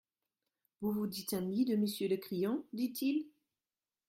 Vous vous dites ami de Monsieur de Crillon ? dit-il.